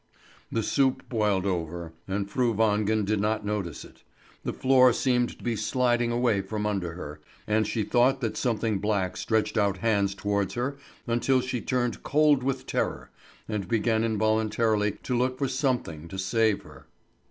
The soup boiled over, and Fru Wangen did not notice it. The floor seemed to be sliding away from under her, and she thought that something black stretched out hands towards her until she turned cold with terror, and began involuntarily to look for something to save her.